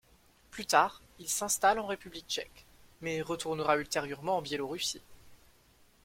Plus tard, il s'installe en République tchèque, mais retournera ultérieurement en Biélorussie.